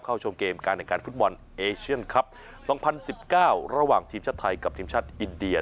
ชมเกมการแข่งขันฟุตบอลเอเชียนคลับ๒๐๑๙ระหว่างทีมชาติไทยกับทีมชาติอินเดีย